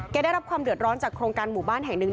ได้รับความเดือดร้อนจากโครงการหมู่บ้านแห่งหนึ่ง